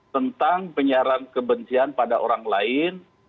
tentang penyiaran kebencian pada orang lain